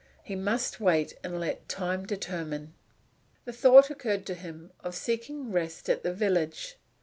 He must wait and let time determine. The thought occurred to him of seeking rest at the village.